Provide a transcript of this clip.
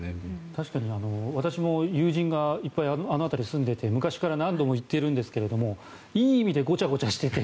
確かに、私も友人がいっぱい、あの辺りに住んでいて、昔から何度も行っているんですけどいい意味でごちゃごちゃしてて。